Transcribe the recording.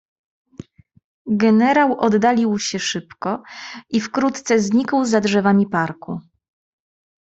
"Generał oddalił się szybko i wkrótce znikł za drzewami parku."